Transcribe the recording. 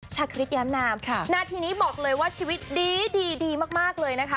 ชาคริสแย้มนามนาทีนี้บอกเลยว่าชีวิตดีดีมากเลยนะคะ